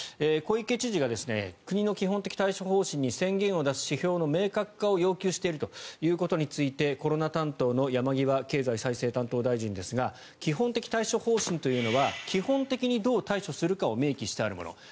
小池知事が国の基本的対処方針に宣言を出す指標の明確化を要求しているということについてコロナ担当の山際経済再生担当大臣ですが基本的対処方針というのは基本的にどう対処するかを明記してあるもの